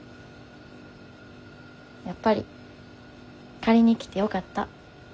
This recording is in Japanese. やっぱり借りに来てよかった。